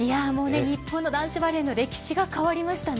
日本の男子バレーの歴史が変わりましたね。